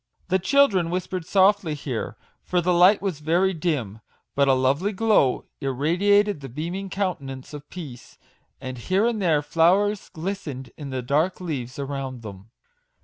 The children whispered softly here ; for the 46 MAGIC WORDS. light was very dim, but a lovely glow irradiated the beaming countenance of Peace, and here and there flowers glistened in the dark leaves around them.